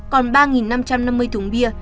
còn ba năm trăm năm mươi thùng bia